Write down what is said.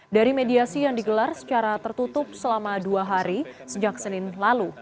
dari mediasi yang digelar secara tertutup selama dua hari sejak senin lalu